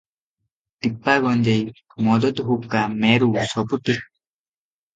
ଟିପା ଗଞ୍ଜେଇ – ମଦତ ହୁକା – ମେରୁ, ସବୁ ଠିକ୍ ।